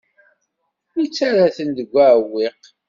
Yettarra-ten deg uɛewwiq.